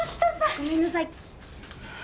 ごめんなさい。